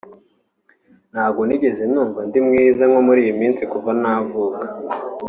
« Ntabwo nigeze numva ndi mwiza nko muri iyi minsi kuva navuka